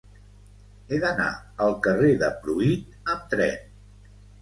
He d'anar al carrer de Pruit amb tren.